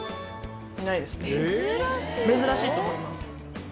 珍しいと思います。